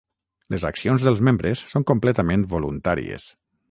Les accions dels membres són completament voluntàries.